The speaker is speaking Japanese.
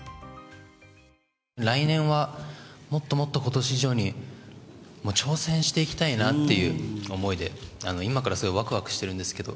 来年はもっともっとことし以上に挑戦していきたいなっていう思いで、今からすごいわくわくしてるんですけど。